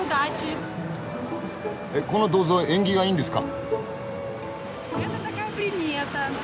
えっこの銅像縁起がいいんですか？